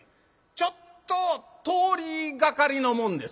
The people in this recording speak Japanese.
ちょっと通りがかりのもんです」。